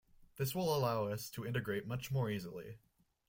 This will allow us to integrate much more easily.